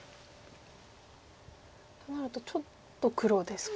となるとちょっと黒ですか？